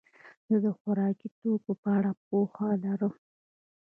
زه د خوراکي توکو په اړه پوهه لرم.